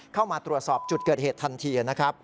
เข้ามาตรวจสอบจุดเกิดเหตุทันทีนะครับ